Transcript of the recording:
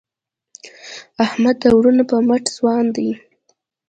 احمد د وروڼو په مټ ځوان دی.